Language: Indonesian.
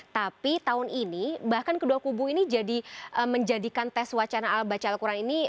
tapi tahun ini bahkan kedua kubu ini jadi menjadikan tes wacana al baca al quran ini